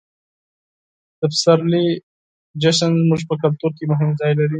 د پسرلي جشن زموږ په کلتور کې مهم ځای لري.